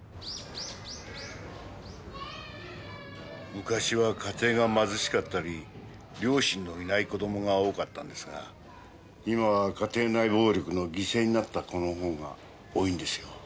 昔は家庭が貧しかったり両親のいない子供が多かったんですが今は家庭内暴力の犠牲になった子の方が多いんですよ。